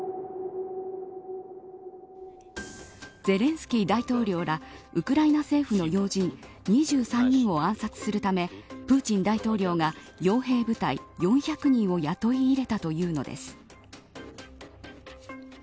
ゼレンスキー大統領らウクライナ政府の要人２３人を暗殺するためプーチン大統領が傭兵部隊４００人を雇い入れたというのです。